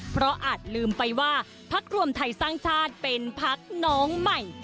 เพราะอาจลืมไปว่าพักรวมไทยสร้างชาติเป็นพักน้องใหม่